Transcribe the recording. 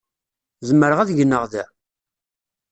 Zemreɣ ad gneɣ da?